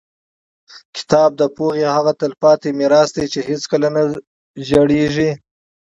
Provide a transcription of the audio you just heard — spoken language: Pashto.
کتاب د پوهې هغه تلپاتې میراث دی چې هېڅکله نه زړېږي.